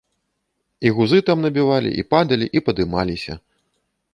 І гузы там набівалі, і падалі, і падымаліся.